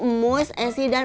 kamu kan sudah muda kan